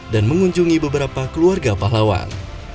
dan mengunjungi beberapa keluarga pahlawan